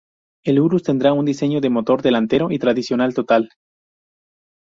El Urus tendrá un diseño de motor delantero y tracción total.